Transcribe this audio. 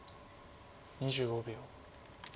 ２５秒。